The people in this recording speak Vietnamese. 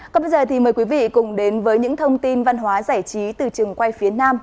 còn bây giờ thì mời quý vị cùng đến với những thông tin văn hóa giải trí từ trường quay phía nam